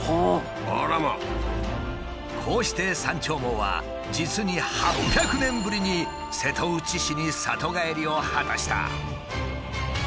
こうして「山鳥毛」は実に８００年ぶりに瀬戸内市に里帰りを果たした。